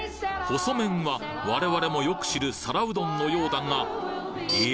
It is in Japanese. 細麺は我々もよく知る皿うどんのようだがえ？